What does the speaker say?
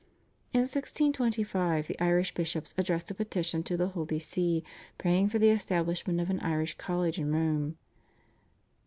In 1625 the Irish bishops addressed a petition to the Holy See praying for the establishment of an Irish college in Rome.